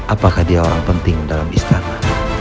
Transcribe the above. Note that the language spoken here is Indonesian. apakah dia orang penting dalam istana